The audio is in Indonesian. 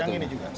siang ini juga